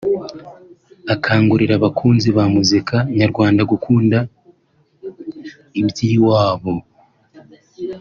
Akangurira abakunzi ba muzika nyarwanda gukunda iby iwabo